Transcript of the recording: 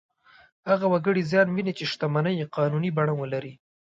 هغه وګړي زیان ویني چې شتمنۍ یې قانوني بڼه ولري.